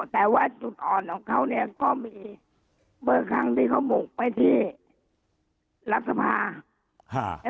แต่ว่าจุดอ่อนของเขาเนี่ยก็มีเมื่อครั้งที่เขาบุกไปที่รัฐสภา